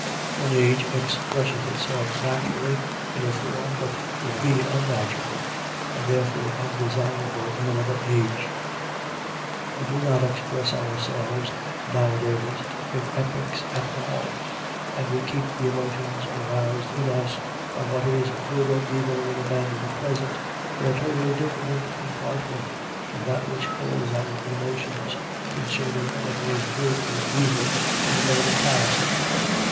One age expresses itself naturally in a form that would be unnatural, and therefore undesirable, in another age. We do not express ourselves nowadays in epics at all; and we keep the emotions aroused in us by what is good or evil in the men of the present in a totally different compartment from that which holds our emotions concerning what was good or evil in the men of the past.